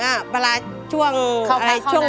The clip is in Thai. สวัสดีครับคุณหน่อย